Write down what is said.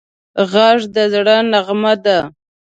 غږ د زړه نغمه ده